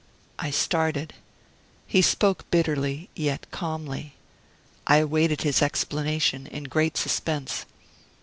I started. He spoke bitterly, yet calmly. I awaited his explanation in great suspense.